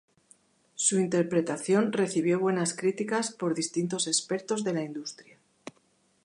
Su interpretación recibió buenas críticas por distintos expertos de la industria.